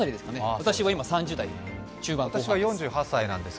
私は今３０代中盤ですが。